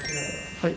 はい。